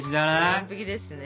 完璧ですね。